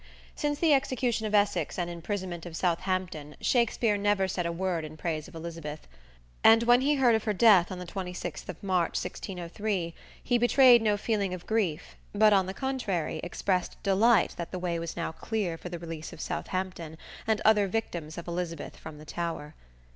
Since the execution of Essex and imprisonment of Southampton Shakspere never said a word in praise of Elizabeth, and when he heard of her death on the 26th of March, 1603, he betrayed no feeling of grief, but on the contrary, expressed delight that the way was now clear for the release of Southampton and other victims of Elizabeth from the Tower.